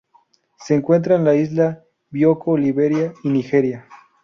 Se encuentra en la isla de Bioko Liberia y Nigeria.